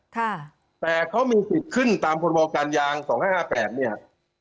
แต่เขามีสิทธิขึ้นตามปฐบการยาง๒๕๕๘เนี่ย